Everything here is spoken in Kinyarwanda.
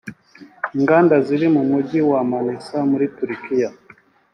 Inganda ziri mu mujyi wa Manissa muri Turukiya